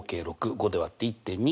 ５で割って１．２。